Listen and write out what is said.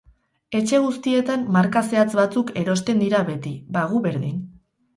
Etxe guztietan marka zehatz batzuk erosten dira beti, ba gu berdin.